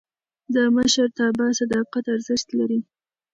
د مشرتابه صداقت ارزښت لري